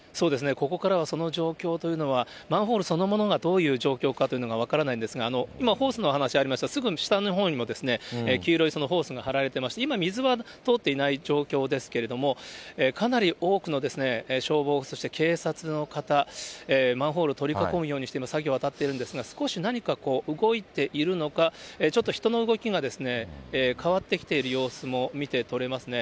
ここからはその状況というのは、マンホールそのものがどういう状況かというのが分からないんですが、今、ホースの話ありました、すぐ下のほうにも、黄色いホースが張られていまして、今、水は通っていない状況ですけれども、かなり多くの消防、そして警察の方、マンホール取り囲むようにして作業に当たっているんですが、少し何かこう、動いているのか、ちょっと人の動きが変わってきている様子も見て取れますね。